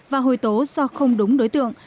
và hồi tố do không đúng đối tượng